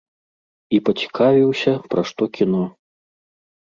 І пацікавіўся, пра што кіно.